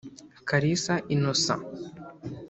Kalisa Innocent